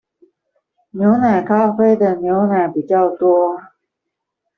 牛奶咖啡的牛奶比較多